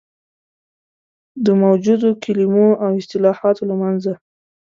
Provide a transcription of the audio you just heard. د موجودو کلمو او اصطلاحاتو له منځه.